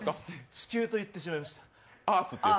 地球と言ってしまいました。